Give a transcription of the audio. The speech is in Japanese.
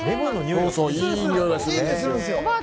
いい香りがする。